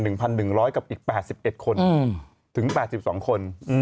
หนึ่งพันหนึ่งร้อยกับอีกแปดสิบเอ็ดคนอืมถึงแปดสิบสองคนอืม